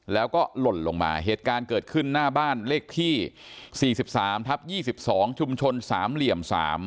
แล้วก็หล่นลงมาเหตุการณ์เกิดขึ้นหน้าบ้านเลขที่๔๓ทับ๒๒ชุมชน๓เหลี่ยม๓